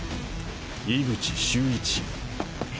伊口秀一！